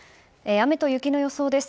雨と雪の予想です。